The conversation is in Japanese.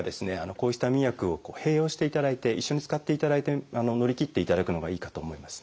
抗ヒスタミン薬を併用していただいて一緒に使っていただいて乗り切っていただくのがいいかと思います。